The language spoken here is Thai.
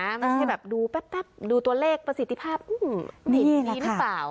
ไม่ใช่แบบดูแป๊บดูตัวเลขประสิทธิภาพดีหรือเปล่า